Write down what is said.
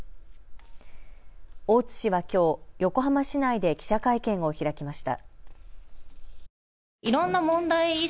大津氏はきょう、横浜市内で記者会見を開きました。